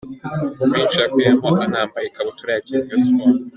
menshi yakuyemo anambaye ikabutura ya Kiyovu Sports.